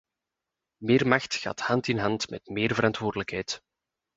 Meer macht gaat hand in hand met meer verantwoordelijkheid.